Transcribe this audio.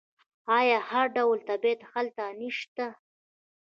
آیا هر ډول طبیعت هلته نشته؟